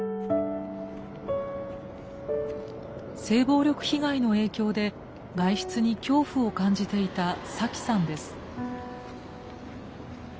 性暴力被害の影響で外出に恐怖を感じていたサキさんです。